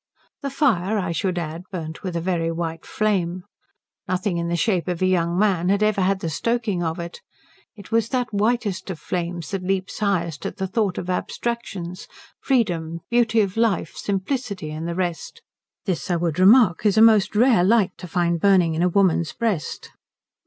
The fire, I should add, burnt with a very white flame. Nothing in the shape of a young man had ever had the stoking of it. It was that whitest of flames that leaps highest at the thought of abstractions freedom, beauty of life, simplicity, and the rest. This, I would remark, is a most rare light to find burning in a woman's breast.